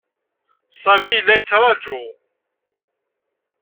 Sami yella yettṛaju.